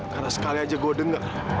karena sekali aja gue denger